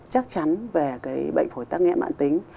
chắc chắn về cái bệnh phổi tắc nghẽn mạng tính